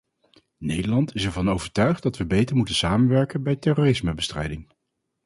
Nederland is ervan overtuigd dat we beter moeten samenwerken bij terrorismebestrijding.